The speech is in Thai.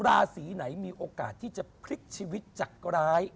ราศีไหนมีโอกาสที่จะพลิกชีวิตจากร้าย